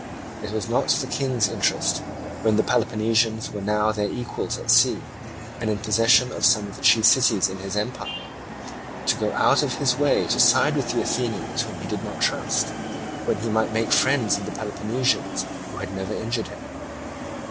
It was not the King's interest, when the Peloponnesians were now their equals at sea, and in possession of some of the chief cities in his empire, to go out of his way to side with the Athenians whom he did not trust, when he might make friends of the Peloponnesians who had never injured him.